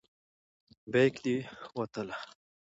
بیک دې وتله.